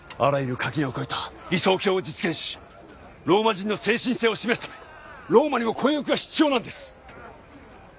垣根を越えた理想郷を実現しローマ人の精神性を示すためローマにも混浴が必要なんです